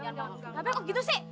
ah ngapain kok gitu sih